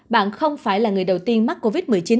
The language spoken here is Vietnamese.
bạn không phải là người đầu tiên mắc covid một mươi chín